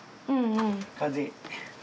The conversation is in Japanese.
風。